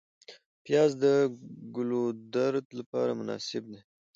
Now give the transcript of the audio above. پیاز د ګلودرد لپاره مناسب دی